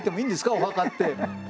お墓って。